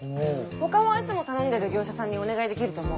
他はいつも頼んでる業者さんにお願いできると思う。